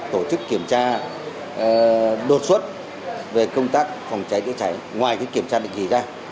tổ chức kiểm tra đột xuất về công tác phòng cháy chữa cháy ngoài kiểm tra định kỳ ra